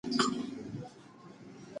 ماشوم د انارګل له اوږې څخه خپل سر پورته کړ.